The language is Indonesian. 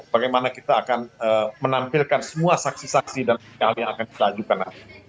bagaimana kita akan menampilkan semua saksi saksi dan ahli yang akan ditajukan